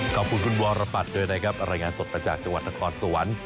ขอบคุณคุณวรปัตย์ด้วยนะครับรายงานสดมาจากจังหวัดนครสวรรค์